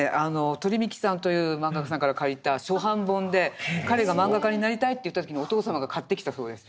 とり・みきさんというマンガ家さんから借りた初版本で彼がマンガ家になりたいと言った時にお父様が買ってきたそうです。